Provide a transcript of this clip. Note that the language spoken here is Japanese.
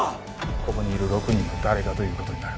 ここにいる６人の誰かという事になる。